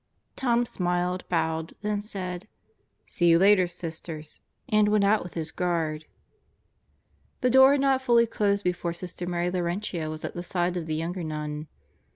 Tom smiled, bowed, then said, "See you later, Sisters," and went out with his guard. The door had not fully closed before Sister Mary Laurentia was at the side of the younger nun.